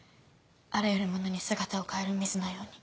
あらゆるものに姿を変える水のように。